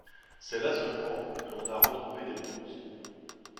C’est là seulement que l’on a retrouvé des bronzes.